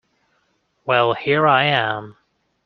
Well, here I am.